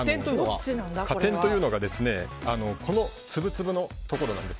果点というのがこの粒々のところなんです。